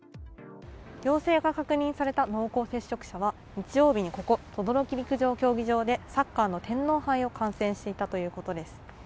陽性が確認された濃厚接触者は、日曜日にここ等々力陸上競技でサッカーの天皇杯を観戦していたということです。